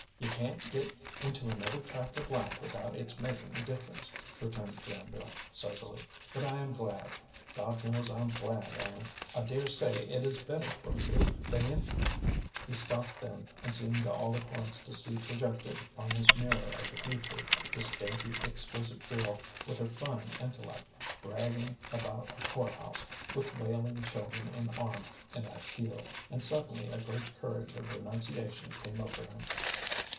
"You can't get into another track of life without its making a difference," returned Granville, soberly. "But I am glad. God knows I'm glad, Ellen. I dare say it is better for you than if " He stopped then and seemed all at once to see projected on his mirror of the future this dainty, exquisite girl, with her fine intellect, dragging about a poor house, with wailing children in arm and at heel, and suddenly a great courage of renunciation came over him.